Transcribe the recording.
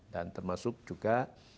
dan termasuk juga